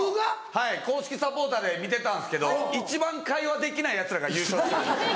はい公式サポーターで見てたんですけど一番会話できないヤツらが優勝してます。